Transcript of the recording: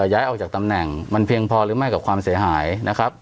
ย้ายออกจากตำแหน่งมันเพียงพอหรือไม่กับความเสียหายนะครับ